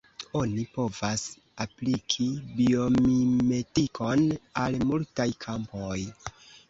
Oni povas apliki biomimetikon al multaj kampoj.